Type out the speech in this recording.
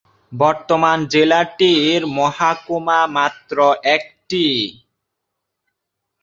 বর্তমান জেলাটির মহকুমা মাত্র একটি।